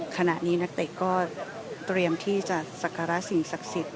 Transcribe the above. ขณะนี้นักเตะก็เตรียมที่จะสักการะสิ่งศักดิ์สิทธิ